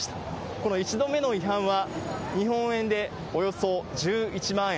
この１度目の違反は、日本円でおよそ１１万円。